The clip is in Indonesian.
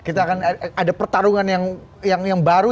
kita akan ada pertarungan yang baru